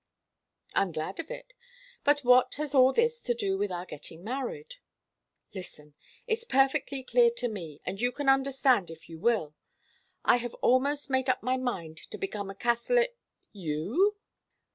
"I'm glad of it. But what has all this to do with our getting married?" "Listen. It's perfectly clear to me, and you can understand if you will. I have almost made up my mind to become a Catholic " "You?"